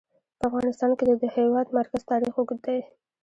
په افغانستان کې د د هېواد مرکز تاریخ اوږد دی.